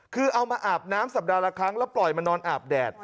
คือเอามาอาบน้ำสัปดาห์ละครั้งแล้วปล่อยมานอนอาบแดด